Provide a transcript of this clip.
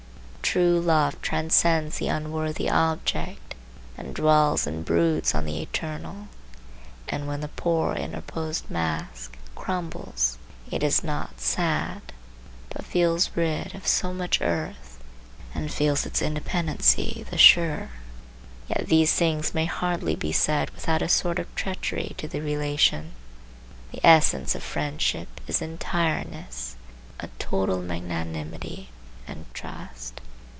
True love transcends the unworthy object and dwells and broods on the eternal, and when the poor interposed mask crumbles, it is not sad, but feels rid of so much earth and feels its independency the surer. Yet these things may hardly be said without a sort of treachery to the relation. The essence of friendship is entireness, a total magnanimity and trust.